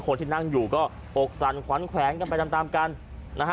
คนที่นั่งอยู่ก็อกสั่นขวัญแขวนกันไปตามตามกันนะฮะ